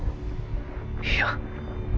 いや。